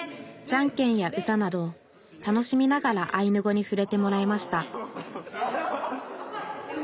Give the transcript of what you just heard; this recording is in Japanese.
じゃんけんや歌など楽しみながらアイヌ語にふれてもらいました